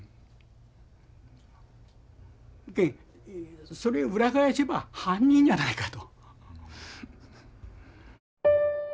じゃけんそれを裏返せば犯人じゃないかと。